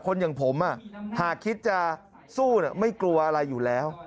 อย่างผมหากคิดจะสู้ไม่กลัวอะไรอยู่แล้ว